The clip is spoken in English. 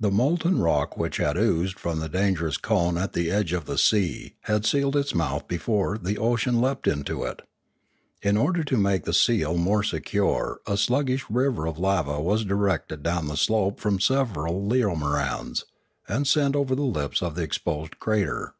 The molten rock which had oozed from the dangerous cone at the edge of the sea had sealed its mouth before the ocean leapt into it. In order to make the seal more secure a sluggish river of lava was directed down the slope from several leomorans, and sent over the lips of the exposed crater.